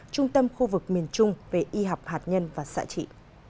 trung tâm khu vực miền trung về y học hạt nhân và xã trị